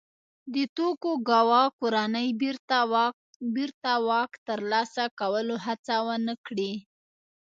د توکوګاوا کورنۍ بېرته واک ترلاسه کولو هڅه ونه کړي.